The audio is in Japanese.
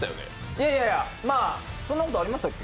いやいやいやそんなことありましたっけ？